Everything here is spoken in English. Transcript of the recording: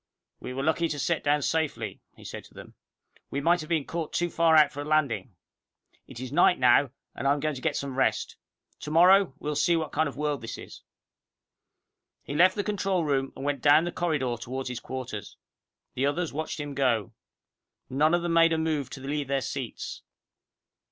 "We were lucky to set down safely," he said to them all. "We might have been caught too far out for a landing. It is night now, and I am going to get some rest. Tomorrow we will see what kind of a world this is." He left the control room, and went down the corridor toward his quarters. The others watched him go. None of them made a move to leave their seats.